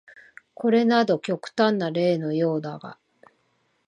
これなど極端な例のようだが、